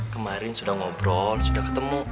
kemarin sudah ngobrol sudah ketemu